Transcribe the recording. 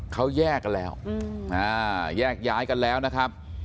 เขาแยกกันแล้วแยกย้ายกันแล้วนะครับ